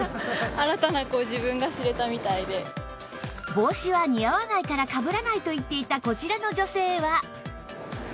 帽子は似合わないからかぶらないと言っていたこちらの女性は